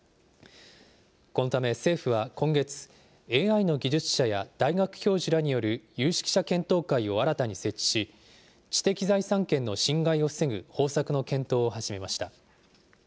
このため政府は今月、ＡＩの技術者や大学教授らによる有識者検討会を新たに設置し、知的財産権の侵害を防ぐ方策の検討を始めました。